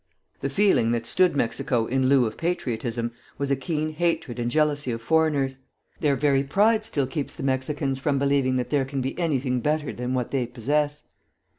The feeling that stood Mexico in lieu of patriotism was a keen hatred and jealousy of foreigners. Their very pride still keeps the Mexicans from believing that there can be anything better than what they possess.